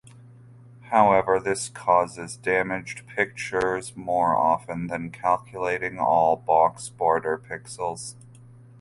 However this causes damaged pictures more often than calculating all box border pixels.